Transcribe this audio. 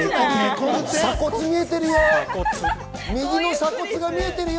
鎖骨見えているよ。